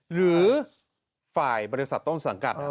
หรือฝ่ายบริษัทต้นศึกษาสั่งการ